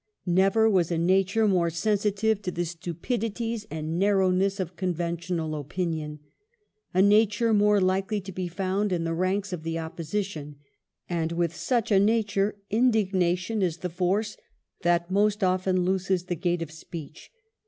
Never was a nature more sensitive to the stu pidities and narrowness of conventional opinion, a nature more likely to be found in the ranks of the opposition ; and with such a nature indigna tion is the force that most often looses the gate of speech.